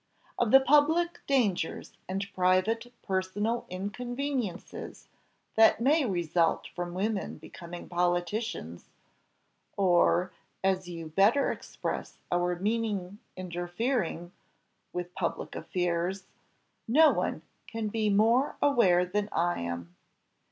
Of the public dangers and private personal inconveniences that may result from women becoming politicians, or, as you better express our meaning interfering, with public affairs, no one can be more aware than I am.